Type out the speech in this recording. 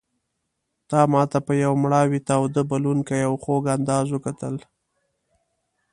تا ماته په یو مړاوي تاوده بلوونکي او خوږ انداز وکتل.